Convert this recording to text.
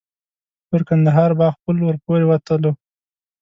پر کندهار باغ پل ور پورې وتلو.